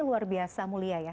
luar biasa mulia ya